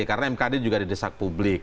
karena mkd juga didesak publik